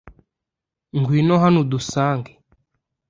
ngwino hano udusange